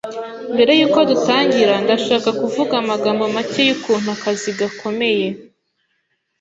Mbere yuko dutangira, ndashaka kuvuga amagambo make yukuntu akazi gakomeye.